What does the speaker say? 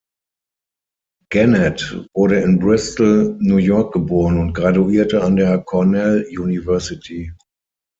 Gannett wurde in Bristol, New York geboren und graduierte an der Cornell University.